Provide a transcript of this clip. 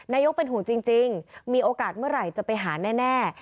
นายกเป็นห่วงจริงมีโอกาสเมื่อไหร่จะไปหาแน่